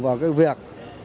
vào cái việc